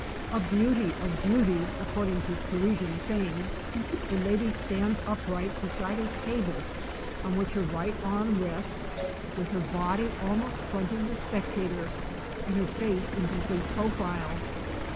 A beauty of beauties, according to Paris ian fame, the lady stands upright beside a table on which her right arm rests, with her body almost fronting the spectator, and her face in complete profile.